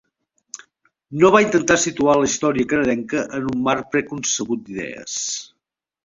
No va intentar situar la història canadenca en un marc preconcebut d'idees.